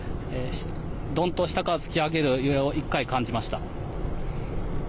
どんと下から突き上げる揺れを１回、感じました。